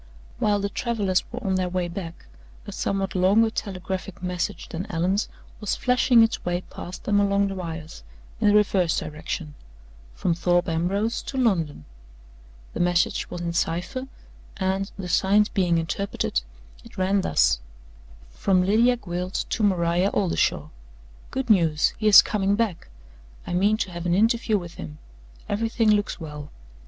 While the travelers were on their way back, a somewhat longer telegraphic message than Allan's was flashing its way past them along the wires, in the reverse direction from Thorpe Ambrose to London. The message was in cipher, and, the signs being interpreted, it ran thus: "From Lydia Gwilt to Maria Oldershaw. Good news! He is coming back. I mean to have an interview with him. Everything looks well.